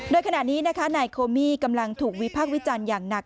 โดยขนาดนี้นายโคมี่กำลังถูกวิพักวิจันทร์อย่างหนัก